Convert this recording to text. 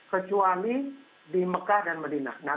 kecuali di mekah dan medina